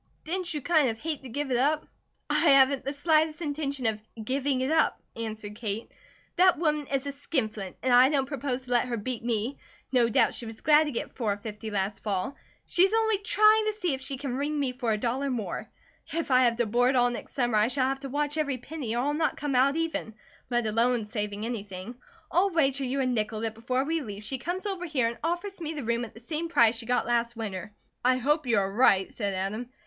"Didn't you kind of hate to give it up?" "I haven't the slightest intention of giving it up," answered Kate. "That woman is a skin flint and I don't propose to let her beat me. No doubt she was glad to get four fifty last fall. She's only trying to see if she can wring me for a dollar more. If I have to board all next summer, I shall have to watch every penny, or I'll not come out even, let alone saving anything. I'll wager you a nickel that before we leave, she comes over here and offers me the room at the same price she got last winter." "I hope you are right," said Adam.